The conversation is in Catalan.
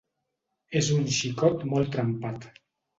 És un xicot molt trempat.